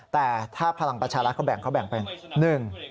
แต่ถ้าพลังประชารัฐเขาแบ่งเป็น